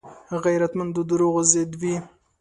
غیرتمند د دروغو ضد وي